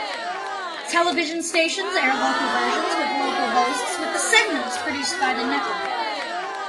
Television stations air local versions with local hosts with segments produced by the network.